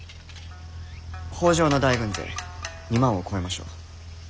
北条の大軍勢２万を超えましょう。